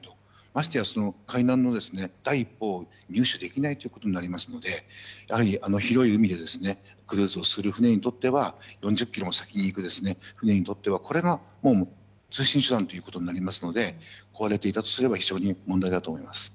ましてや海難の第一報を入手できないということになりますから広い海でクルーズをする船にとっては４０ｋｍも先に行く船にとってはこれが通信手段になりますから壊れていたとすれば非常に問題だと思います。